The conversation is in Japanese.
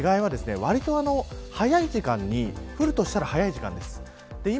ただ、昨日との違いは割と早い時間に降るとしたら早い時間です。